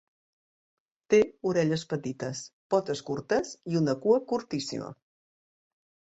Té orelles petites, potes curtes i una cua curtíssima.